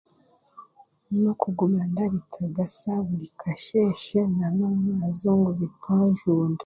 N'okuguma ndabitagaasa omukasheeshe n'omumwebazo ngu bitajunda.